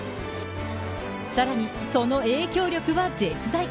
さらにその影響力は絶大。